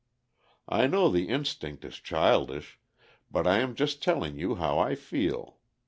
I know the instinct is childish, but I am just telling you how I feel.